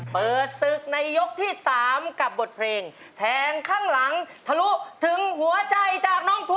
เปิดศึกในยกที่๓กับบทเพลงแทงข้างหลังทะลุถึงหัวใจจากน้องภู